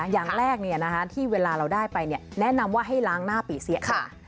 อย่างแรกที่เวลาเราได้ไปแนะนำว่าให้ล้างหน้าปีเสียค่ะ